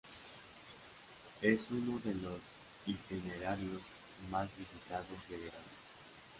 Es uno de los itinerarios más visitados de Gerona.